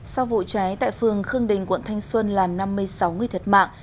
sau vụ cháy tại phường khương đình quận thanh xuân làm năm mươi sáu người thiệt mạng